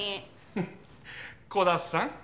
フッ鼓田さん。